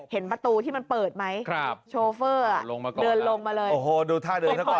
เห็นประตูที่มันเปิดไหมโชเฟอร์เดินลงมาเลยโอ้โฮดูท่าเดินเท่าก่อน